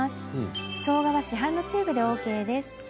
しょうがは市販のチューブでＯＫです。